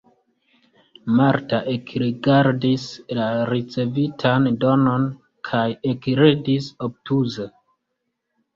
Marta ekrigardis la ricevitan donon kaj ekridis obtuze.